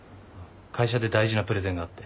会社で大事なプレゼンがあって。